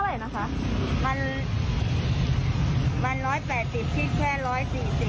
เดี๋ยวไปมึงแล้วค่ะทำไมแพงจังเลย